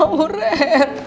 ya udah ren